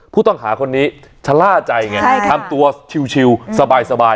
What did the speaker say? ผู้ต้องหาคนนี้ชะล่าใจอย่างเงี้ยใช่ทำตัวชิวสบาย